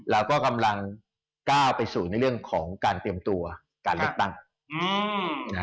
แล้วก็กำลังก้าวไปสู่ในเรื่องของการเตรียมตัวการเลือกตั้ง